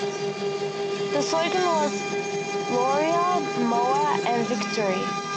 The slogan was "Laurier, Mowat and Victory".